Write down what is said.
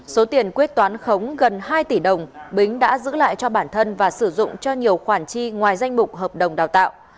số tiền quyết toán khống gần hai tỷ đồng bính đã giữ lại cho bản thân và sử dụng cho nhiều khoản chi ngoài danh mục hợp đồng đào tạo